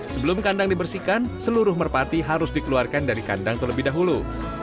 sebelum kandang dibersihkan seluruh merpati harus dikeluarkan dari kandang terlebih dahulu